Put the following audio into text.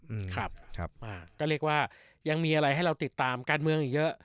อืมครับครับอ่าก็เรียกว่ายังมีอะไรให้เราติดตามการเมืองอีกเยอะ